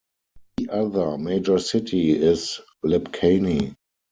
The other major city is Lipcani.